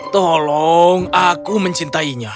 tolong aku mencintainya